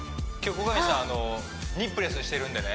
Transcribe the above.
後上さんあのニップレスしてるんでね